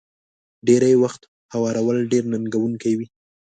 ډېری وخت يې هوارول ډېر ننګوونکي وي.